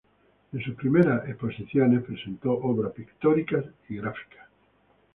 En sus primeras exposiciones presentó obra pictórica y gráfica.